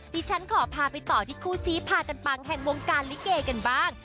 ดิฉันขอพาไปต่อที่คู่ซีพากันปังแห่งวงการลิเกกันบ้าง